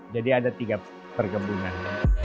jadi ada tiga perkebunan